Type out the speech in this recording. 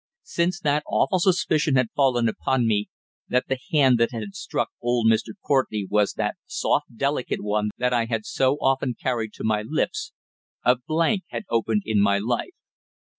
Since that awful suspicion had fallen upon me that the hand that had struck old Mr. Courtenay was that soft delicate one that I had so often carried to my lips, a blank had opened in my life.